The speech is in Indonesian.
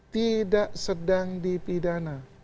tidak sedang dipidana